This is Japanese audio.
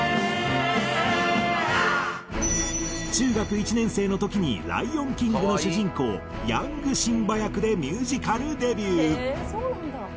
中学１年生の時に『ライオンキング』の主人公ヤングシンバ役でミュージカルデビュー。